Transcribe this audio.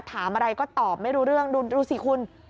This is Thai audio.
ถามอะไรก็ตอบไม่รู้เรื่องดูสิคุณ